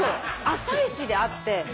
朝一で会って。